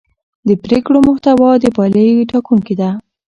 د پرېکړو محتوا د پایلې ټاکونکې ده